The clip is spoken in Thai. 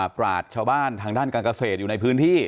ปราศชาวบ้านทางด้านการเกษตรอยู่ในพื้นที่